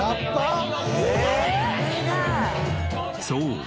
そう